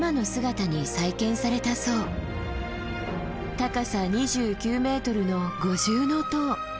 高さ２９ｍの五重塔。